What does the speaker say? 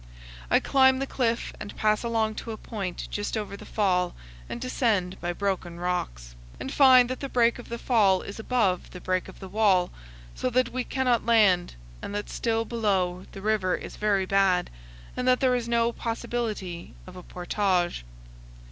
I climb the cliff and pass along to a point just over the fall and descend by broken rocks, and find that the break of the fall is above the break of the wall, so that we cannot land, and that still below the river is very bad, and that there is no possibility of a portage.